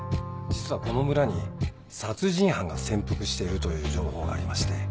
実はこの村に殺人犯が潜伏しているという情報がありまして。